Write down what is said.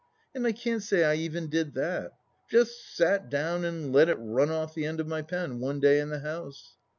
And I can't say I even did that. Just sat down and let it run off the end of my pen, one day in the house